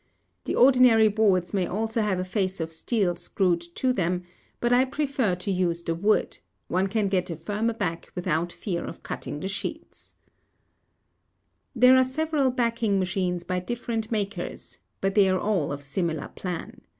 The ordinary boards may also have a face of steel screwed to them, but I prefer to use the wood—one can get a firmer back without fear of cutting the sheets. [Illustration: Two edged Backing Boards.] There are several backing machines by different makers but they are all of similar plan.